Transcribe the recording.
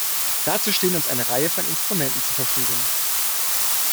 Dazu stehen uns eine Reihe von Instrumenten zur Verfügung.